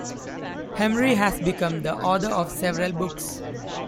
Hemery has become the author of several books.